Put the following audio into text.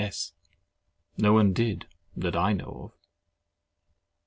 S. No one did, that I know of.